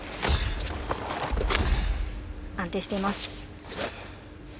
安定しています。